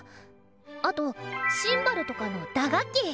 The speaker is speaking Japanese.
あとシンバルとかの打楽器。